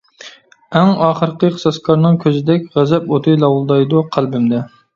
ئەڭ ئاخىرقى قىساسكارنىڭ كۆزىدەك، غەزەپ ئوتى لاۋۇلدايدۇ قەلبىمدە.